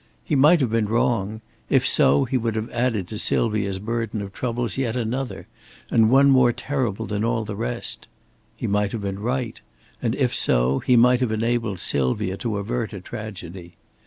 He might have been wrong; if so, he would have added to Sylvia's burden of troubles yet another, and one more terrible than all the rest. He might have been right; and if so, he might have enabled Sylvia to avert a tragedy.